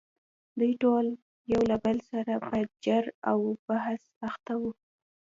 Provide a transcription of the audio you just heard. دوی ټول یو له بل سره په جر و بحث اخته وو.